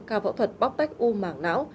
cao phẫu thuật bóc tách u mảng não